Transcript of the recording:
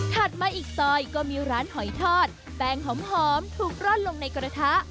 มาอีกซอยก็มีร้านหอยทอดแป้งหอมถูกร่อนลงในกระทะ